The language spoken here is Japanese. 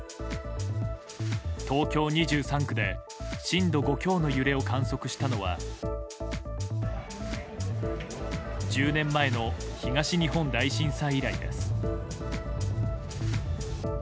東京２３区で震度５強の揺れを観測したのは１０年前の東日本大震災以来です。